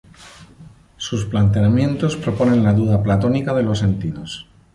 Sus planteamientos proponen la duda platónica de los sentidos.